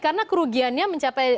karena kerugiannya mencapai